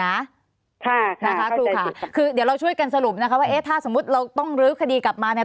สามีกับลูกแล้วก็หลานสาว